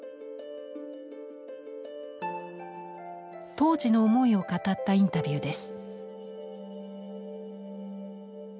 当時の思いを語ったインタビューです。